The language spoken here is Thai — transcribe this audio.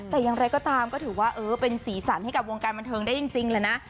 แต่อย่างไรก็ตามก็ถือว่าเออเป็นสีสันให้กับวงการบันเทิงได้จริงแหละนะ